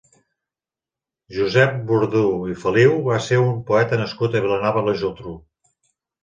Josep Verdú i Feliu va ser un poeta nascut a Vilanova i la Geltrú.